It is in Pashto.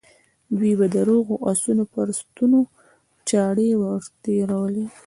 دوی به د روغو آسونو پر ستونو چاړې ور تېرولې.